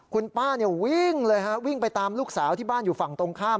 คุณป้าวิ่งเลยฮะวิ่งไปตามลูกสาวที่บ้านอยู่ฝั่งตรงข้าม